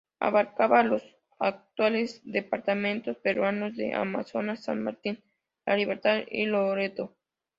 Abarcaba los actuales departamentos peruanos de Amazonas, San Martín, La Libertad y Loreto.